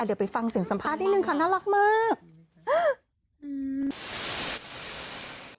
เดี๋ยวไปฟังเสียงสัมภาษณ์นิดนึงค่ะน่ารักมาก